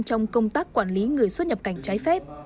trong công tác quản lý người xuất nhập cảnh trái phép